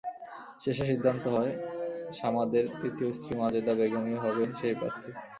শেষে সিদ্ধান্ত হয়, সামাদের তৃতীয় স্ত্রী মাজেদা বেগমই হবেন সেই প্রার্থী।